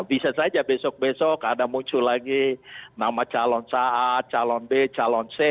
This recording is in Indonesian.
bisa saja besok besok ada muncul lagi nama calon sa a calon b calon c